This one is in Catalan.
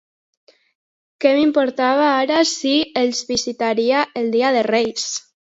Què m'importava ara si els visitaria el dia de Reis!